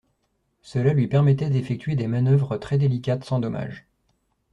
Cela lui permettait d'effectuer des manœuvres très délicates sans dommages.